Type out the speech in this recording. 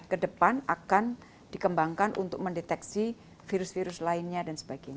kedepan akan dikembangkan untuk mendeteksi virus virus lainnya dan sebagainya